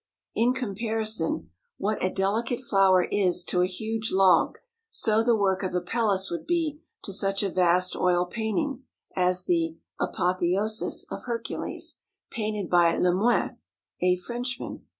In comparison, what a delicate flower is to a huge log, so the work of Apelles would be to such a vast oil painting as the "Apotheosis of Hercules," painted by Lemoin, a Frenchman.